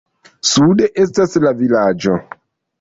Sude estas la vilaĝo.